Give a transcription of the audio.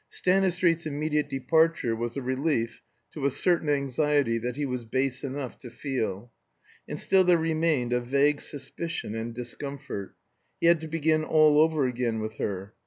Stanistreet's immediate departure was a relief to a certain anxiety that he was base enough to feel. And still there remained a vague suspicion and discomfort. He had to begin all over again with her.